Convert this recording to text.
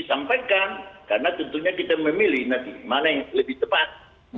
mana yang lebih tepat